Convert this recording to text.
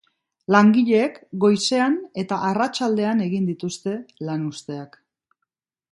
Langileek goizean eta arratsaldean egin dituzte lanuzteak.